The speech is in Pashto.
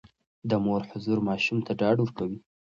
د مور حضور ماشوم ته ډاډ ورکوي.